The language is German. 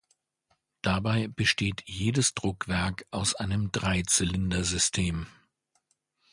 Dabei besteht jedes Druckwerk aus einem Dreizylinder-System.